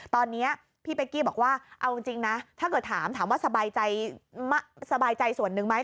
ตอนนี้พี่เป๊กกี้บอกว่าเอาจริงนะถ้าเกิดถามถามว่าสบายใจส่วนหนึ่งไหม